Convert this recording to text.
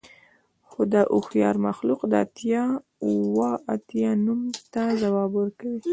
خو دا هوښیار مخلوق د اتیا اوه اتیا نوم ته ځواب ورکوي